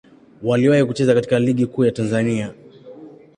Waliwahi kucheza katika Ligi Kuu ya Tanzania.